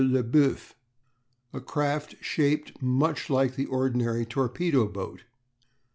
Laubeuf, a craft shaped much like the ordinary torpedo boat.